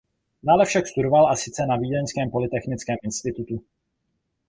Dále však studoval a sice na vídeňském polytechnickém institutu.